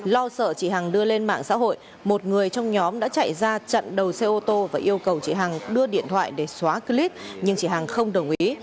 lo sợ chị hằng đưa lên mạng xã hội một người trong nhóm đã chạy ra chặn đầu xe ô tô và yêu cầu chị hằng đưa điện thoại để xóa clip nhưng chị hằng không đồng ý